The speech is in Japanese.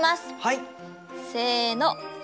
せの！